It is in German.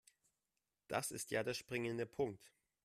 Das ist ja der springende Punkt.